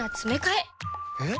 えっ？